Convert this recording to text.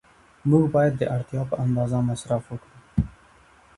موږ باید د اړتیا په اندازه مصرف وکړو.